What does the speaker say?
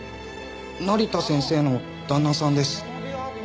成田先生の旦那さんです。